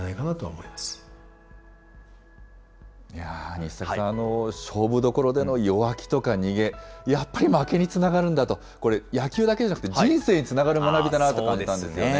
西阪さん、勝負どころでの弱気とか逃げ、やっぱり負けにつながるんだと、これ、野球だけじゃなくて、人生につながる学びかなと感じたんですよね。